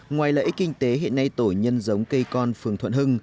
ngoài lợi ích kinh tế hiện nay tổ nhân giống cây con phường thuận hưng